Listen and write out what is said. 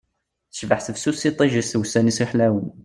Tecbeḥ tefsut s yiṭij-is d wussan-is ḥlawen